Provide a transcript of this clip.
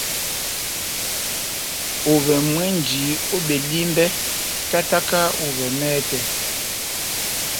Ovɛ mwɛ́nji ó Belimbè, tátáka ovɛ mɛtɛ,